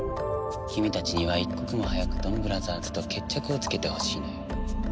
君たちには一刻も早くドンブラザーズと決着をつけてほしいのよ。